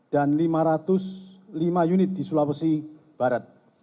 dan lima ratus lima unit di sulawesi barat